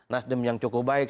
nasdem yang cukup baik